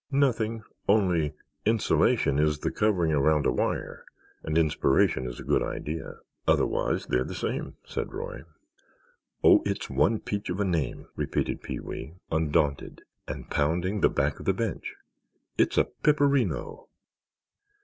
"Nothing—only insulation is the covering around a wire and inspiration is a good idea." "Otherwise they're the same," said Roy. "Oh, it's one peach of a name!" repeated Pee wee, undaunted, and pounding the back of the bench. "It's a piperino!"